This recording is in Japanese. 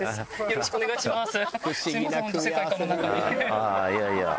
よろしくお願いします。